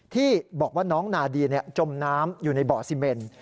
ที่บอกว่าน้องนาดีจมน้ำอยู่ในบ่อซีเมน